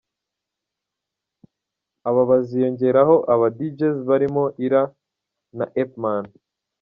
Aba baziyongeraho aba-Djs barimo Ira na Apeman.